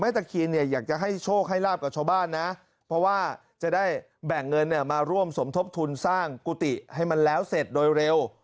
ตะเคียนเนี่ยอยากจะให้โชคให้ลาบกับชาวบ้านนะเพราะว่าจะได้แบ่งเงินมาร่วมสมทบทุนสร้างกุฏิให้มันแล้วเสร็จโดยเร็ว